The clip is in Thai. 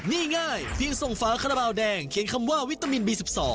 นี่ง่ายเพียงส่งฝาคาราบาลแดงเขียนคำว่าวิตามินบี๑๒